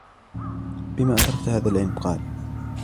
بِمَ أَدْرَكْت هَذَا الْعِلْمَ ؟ قَالَ